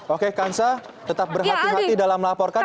oke kansa tetap berhati hati dalam melaporkan